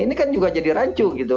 ini kan juga jadi rancu gitu